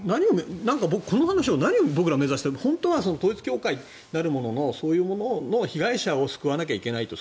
この話を僕ら何を目指している本当は統一教会なるもののそういうものの被害者を救わないといけないと。